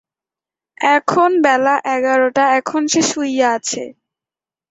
এখন বেলা এগারোটা, এখন সে শুইয়া আছে!